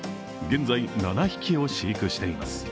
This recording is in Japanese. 現在７匹を飼育しています。